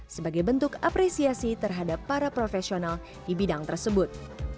sebagai bentuk apresiasi terhadap para profesional di bidang tersebut